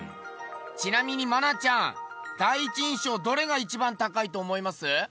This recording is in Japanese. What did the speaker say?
ちなみに愛菜ちゃん第一印象どれが一番高いと思います？